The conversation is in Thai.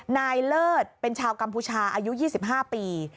เลิศเป็นชาวกัมพูชาอายุ๒๕ปี